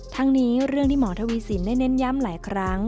ทั้งนี้เรื่องที่หมอทวีสินได้เน้นย้ำหลายครั้ง